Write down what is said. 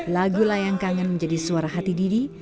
lagu layang kangen menjadi suara hati didi